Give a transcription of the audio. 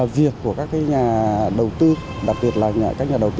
việc của các nhà đầu tư đặc biệt là các nhà đầu tư